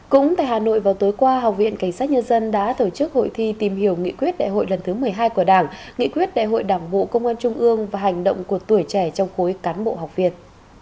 cũng tại hà nội vào tối qua học viện cảnh sát nhân dân đã tổ chức hội thi tìm hiểu nghị quyết đại hội lần thứ một mươi hai của đảng nghị quyết đại hội đảng bộ công an trung ương và hành động của tuổi trẻ trong khối cán bộ học viên